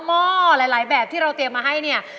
หม้อหลายแบบที่เราเตรียมมาให้เนี่ย